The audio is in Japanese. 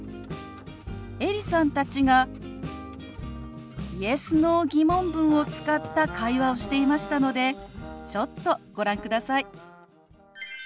エリさんたちがＹｅｓ／Ｎｏ−疑問文を使った会話をしていましたのでちょっとご覧ください。